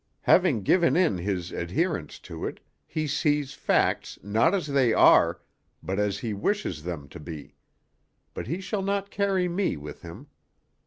Having given in his adherence to it, he sees facts not as they are, but as he wishes them to be; but he shall not carry me with him.